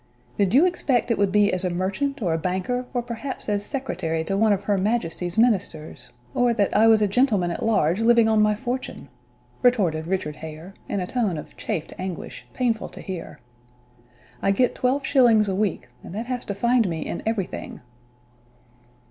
"Did you expect it would be as a merchant, or a banker, or perhaps as secretary to one of her majesty's ministers or that I was a gentleman at large, living on my fortune?" retorted Richard Hare, in a tone of chafed anguish, painful to hear. "I get twelve shillings a week, and that has to find me in everything!"